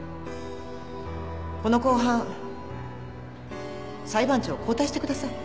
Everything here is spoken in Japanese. この公判裁判長を交代してください。